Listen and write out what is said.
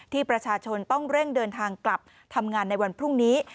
ที่ประชาชนต้องเร่งเดินทางกลับทำงานในวันพรุ่งนี้